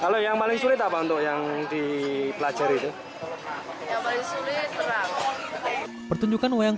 kalau yang paling sulit apa untuk yang dipelajari itu yang paling sulit terang pertunjukan wayang